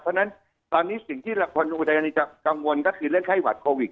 เพราะฉะนั้นตอนนี้สิ่งที่คนอุทัยธานีจะกังวลก็คือเรื่องไข้หวัดโควิด